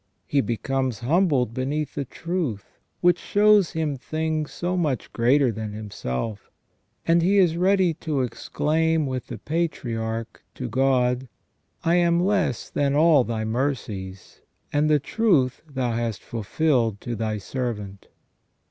He becomes humbled beneath the truth, which shows him things so much greater than himself, and he is ready to exclaim, with the patriarch, to God :" I am less than all Thy mercies, and the truth Thou hast fulfilled to Thy servant